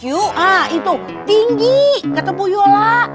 nah itu tinggi kata bu yola